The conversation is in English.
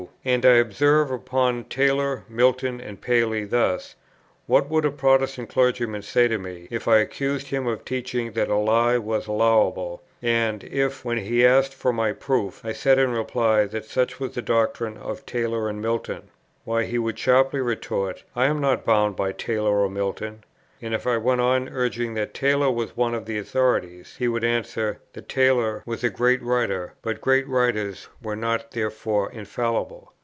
And I observe upon Taylor, Milton, and Paley thus: What would a Protestant clergyman say to me, if I accused him of teaching that a lie was allowable; and if, when he asked for my proof, I said in reply that such was the doctrine of Taylor and Milton? Why, he would sharply retort, "I am not bound by Taylor or Milton;" and if I went on urging that "Taylor was one of his authorities," he would answer that Taylor was a great writer, but great writers were not therefore infallible.